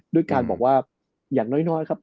ด้วยการบอกว่าอย่างน้อยครับ